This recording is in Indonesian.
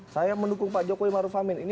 saya mendukung pak jokowi maruf amin